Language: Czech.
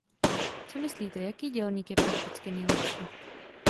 Co myslíte, jaký dělník je prakticky nejlepší?